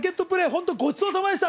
本当にごちそうさまでした！